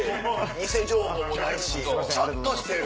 偽情報もないしちゃんとしてる。